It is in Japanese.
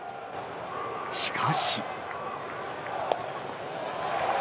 しかし。